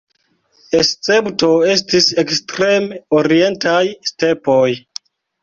Escepto estis ekstrem-orientaj stepoj.